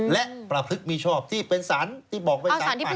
และประพฤติมีชอบที่เป็นสารที่บอกเป็นสารป่าวเอง